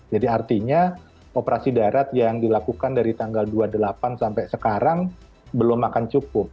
jadi artinya operasi darat yang dilakukan dari tanggal dua puluh delapan sampai sekarang belum akan cukup